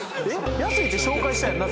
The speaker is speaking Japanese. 安いって紹介したやんな